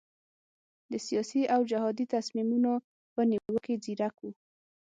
د سیاسي او جهادي تصمیمونو په نیولو کې ځیرک وو.